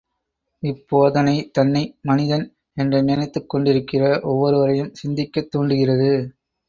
இப்போதனை தன்னை மனிதன் என்ற நினைத்துக் கொண்டிருக்கிற ஒவ்வொருவரையும் சிந்திக்கத் தூண்டுகிறது.